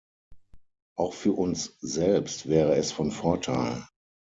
Auch für uns selbst wäre es von Vorteil.